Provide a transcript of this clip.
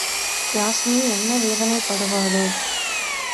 யாஸ்மி என்ன வேதனைப்படுவாளோ?